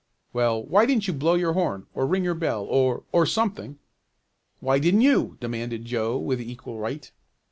"Well, why didn't you blow your horn or ring your bell or or something?" "Why didn't you?" demanded Joe with equal right.